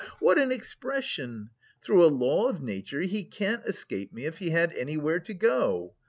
What an expression! Through a law of nature he can't escape me if he had anywhere to go.